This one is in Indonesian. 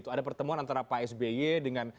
ada pertemuan antara pak sby dengan